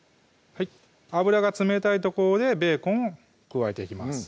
油が冷たいところでベーコンを加えていきます